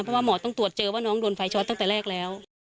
เพราะว่าหมอต้องตรวจเจอว่าน้องโดนไฟช็อตตั้งแต่แรกแล้ว